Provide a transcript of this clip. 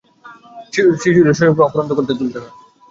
শিশুদের শৈশবকে রক্ষা করতে হলে বিশ্রামের অফুরন্ত সময় নিশ্চিত করতে হবে।